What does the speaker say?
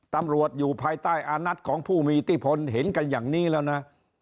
ตำรวจอยู่ภายใต้อานัทของผู้มีอิทธิพลเห็นกันอย่างนี้แล้วนะ